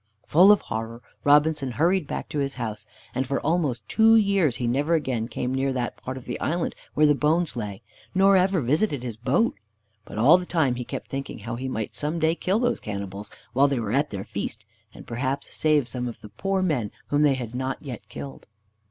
Full of horror, Robinson hurried back to his house, and for almost two years he never again came near that part of the island where the bones lay, nor ever visited his boat. But all the time he kept thinking how he might some day kill those cannibals while they were at their feast, and perhaps save some of the poor men whom they had not yet killed.